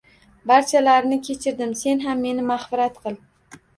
Barchalarini kechirdim sen ham meni magʻfirat qil.